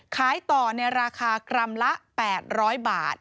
ขายต่อในราคากรัมละ๘๐๐บาท